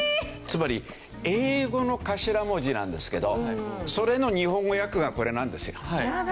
つまり英語の頭文字なんですけどそれの日本語訳がこれなんですよ。